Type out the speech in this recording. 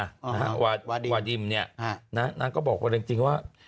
อ้าวหาวาดิมวาดิมนี่นางก็บอกว่าจริงว่า